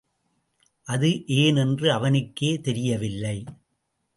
அது ஏன் என்று அவனுக்கே தெரியவில்லை.